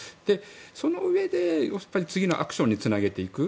そのうえで次のアクションにつなげていく。